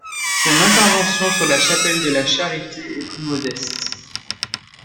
Son intervention sur la chapelle de la Charité est plus modeste.